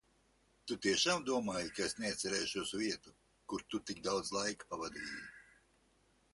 Tu tiešām domāji, ka es neatcerēšos vietu, kur tu tik daudz laika pavadīji?